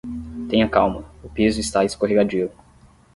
Tenha calma, o piso está escorregadio